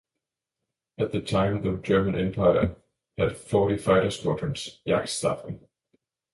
At the time the German Empire had forty fighter squadrons (Jagdstaffel).